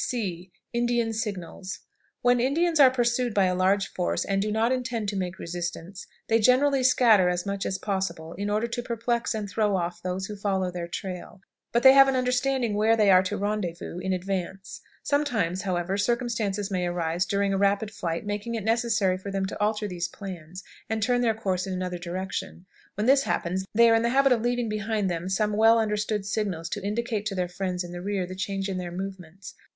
C. Indian Signals. When Indians are pursued by a large force, and do not intend to make resistance, they generally scatter as much as possible, in order to perplex and throw off those who follow their trail, but they have an understanding where they are to rendezvous in advance. Sometimes, however, circumstances may arise during a rapid flight making it necessary for them to alter these plans, and turn their course in another direction. When this happens, they are in the habit of leaving behind them some well understood signals to indicate to their friends in the rear the change in their movements.